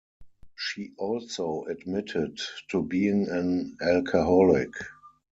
She also admitted to being an alcoholic.